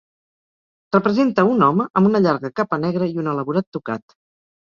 Representa un home amb una llarga capa negra i un elaborat tocat.